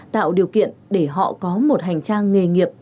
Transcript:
tạo điều kiện để họ có một hành trang nghề nghiệp